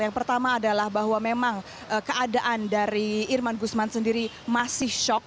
yang pertama adalah bahwa memang keadaan dari irman gusman sendiri masih shock